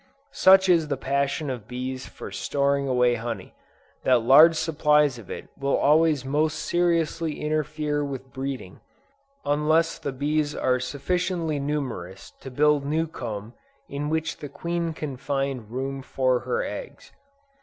Such is the passion of bees for storing away honey, that large supplies of it will always most seriously interfere with breeding, unless the bees are sufficiently numerous to build new comb in which the queen can find room for her eggs.